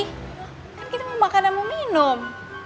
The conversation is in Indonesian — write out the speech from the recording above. kan kita mau makan dan mau minum